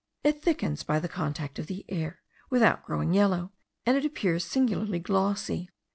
It thickens by the contact of the air, without growing yellow, and it appears singularly glossy.